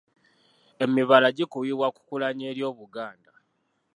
Emibala gikubibwa mu kulanya eri Obuganda.